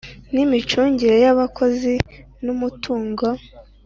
N imicungire y abakozi n umutungo